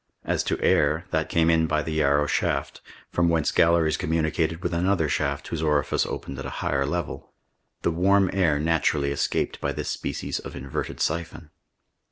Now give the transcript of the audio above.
As to air, that came in by the Yarrow shaft, from whence galleries communicated with another shaft whose orifice opened at a higher level; the warm air naturally escaped by this species of inverted siphon.